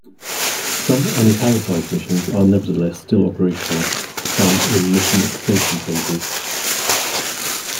Some unitalicised missions are nevertheless still operational, some in mission extension phases.